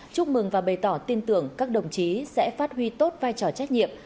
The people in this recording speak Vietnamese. chúc mừng và bày tỏ tin tưởng các đồng chí sẽ phát huy tốt vai trò trách nhiệm